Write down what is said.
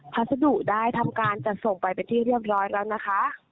พัสดุได้ทำการจัดส่งไปเป็นที่เรียบร้อยแล้วนะคะ